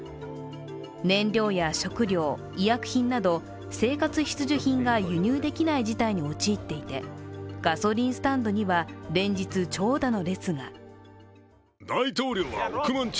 燃料や食料、医薬品など生活必需物資が輸入できない事態に陥っていてガソリンスタンドには連日、長蛇の列が。